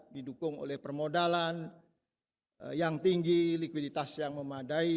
didukung oleh permodalan yang tinggi likuiditas yang memadai